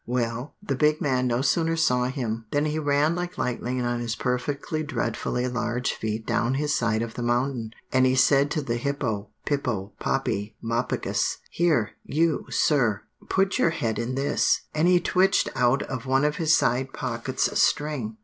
Well, the big man no sooner saw him than he ran like lightning on his perfectly dreadfully large feet down his side of the mountain, and he said to the hippo pippo poppi moppicus 'Here, you, sir, put your head in this;' and he twitched out of one of his side pockets a string.